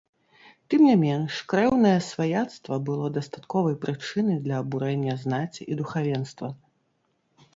Тым не менш, крэўнае сваяцтва было дастатковай прычынай для абурэння знаці і духавенства.